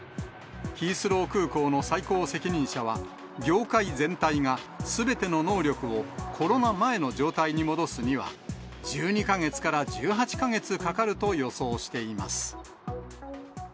ヒースロー空港の最高責任者は、業界全体がすべての能力をコロナ前の状態に戻すには、１２か月から１８か月かかると予想しています。